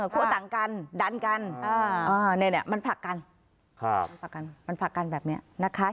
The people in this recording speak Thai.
ต่างกันดันกันมันผลักกันมันผลักกันแบบนี้นะคะ